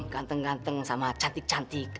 ganteng ganteng sama cantik cantik